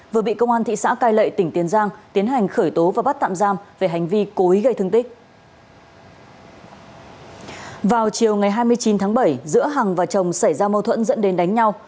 vào chiều ngày hai mươi chín tháng bảy giữa hằng và chồng xảy ra mâu thuẫn dẫn đến đánh nhau